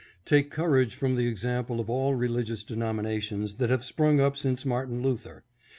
Take courage from the example of all religious denomi nations that have sprung up since Martin Luther.